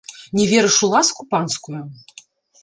Не верыш у ласку панскую?